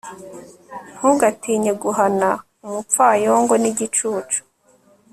ntugatinye guhana umupfayongo n'igicucu